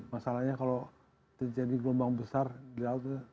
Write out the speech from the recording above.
masalahnya kalau terjadi gelombang besar di laut itu